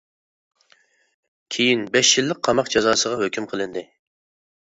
كېيىن بەش يىللىق قاماق جازاسىغا ھۆكۈم قىلىندى.